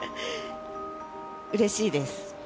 うれしいです。